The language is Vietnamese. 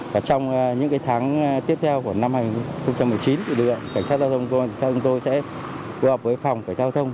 và trong những tháng tiếp theo của năm hai nghìn một mươi chín lực lượng cảnh sát tàu thông công an thị xã chúng tôi sẽ phù hợp với phòng cảnh sát tàu thông